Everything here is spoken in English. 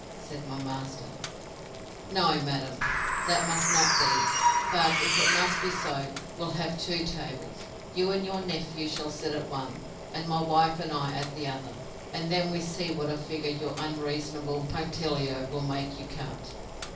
Said my master, No, madam, that must not be; but, if it must be so, we'll have two tables; you and your nephew shall sit at one, and my wife and I at the other: and then see what a figure your unreasonable punctilio will make you cut.